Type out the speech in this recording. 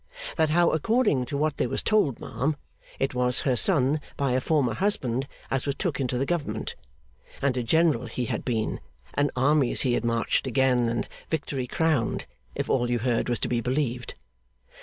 That how, according to what they was told, ma'am, it was her son by a former husband as was took into the Government; and a General he had been, and armies he had marched again and victory crowned, if all you heard was to be believed.